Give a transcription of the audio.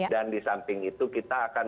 dan di samping itu kita akan